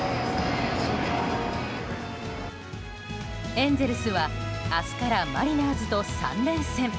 エンゼルスは明日からマリナーズと３連戦。